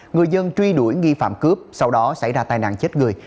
người dân truy đuổi nghi phạm cướp sau đó xảy ra tai nạn chết người